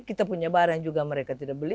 kita punya barang juga mereka tidak beli